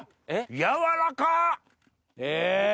やわらか！